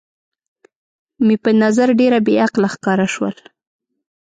مې په نظر ډېره بې عقله ښکاره شول.